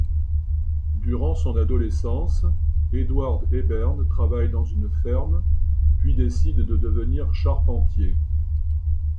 Durant son adolescence, Edward Hebern travaille dans une ferme puis décide de devenir charpentier.